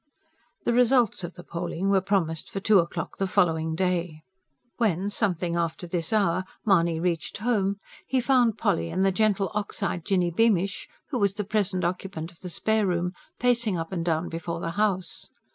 The results of the polling were promised for two o'clock the following day. When, something after this hour Mahony reached home, he found Polly and the gentle, ox eyed Jinny Beamish, who was the present occupant of the spare room, pacing up and down before the house.